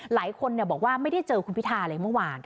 หลายคนบอกว่าไม่ได้เจอคุณพิทาเลยเมื่อวาน